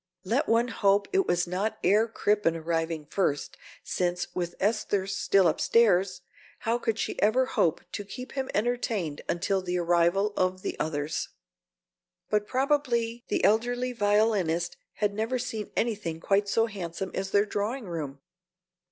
Let one hope it was not Herr Crippen arriving first, since, with Esther still upstairs, how could she ever hope to keep him entertained until the arrival of the others? But probably the elderly violinist had never seen anything quite so handsome as their drawing room.